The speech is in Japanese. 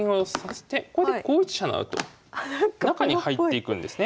これで５一飛車成と中に入っていくんですね。